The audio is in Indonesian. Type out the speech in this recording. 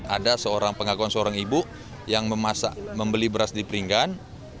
ada seorang pengakuan seorang ibu yang membeli beras di peringgan